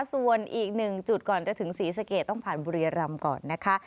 ส่วนอีกหนึ่งจุดก่อนจะถึงศรีสะเกดต้องผ่านบุรียรำก่อนนะคะ